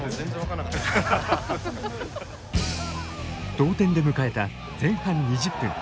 同点で迎えた前半２０分。